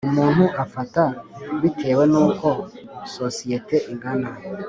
Umuntu afata bitewe n uko sosiyete ingana